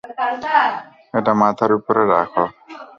এটা মাথার ওপর রাখো।